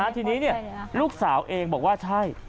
ทีนี้ลูกสาวเองบอกว่าใช่